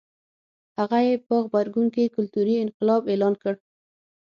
هغه یې په غبرګون کې کلتوري انقلاب اعلان کړ.